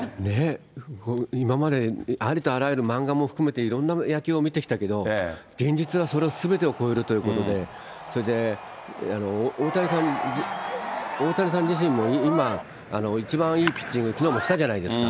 今まで、ありとあらゆる漫画も含めて、いろんな野球を見てきたけど、現実はそれを、すべてを超えるということで、それで、大谷さん自身も今、一番いいピッチング、きのうもしたじゃないですか。